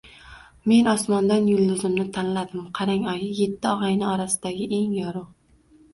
Men osmondan yulduzimni tanladim. Qarang, oyi, Yetti og'ayni orasidagi eng yorug'